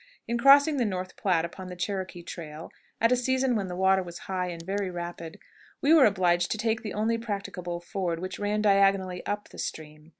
In crossing the North Platte upon the Cherokee trail at a season when the water was high and very rapid, we were obliged to take the only practicable ford, which ran diagonally up the stream.